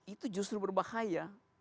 itu justru berbahaya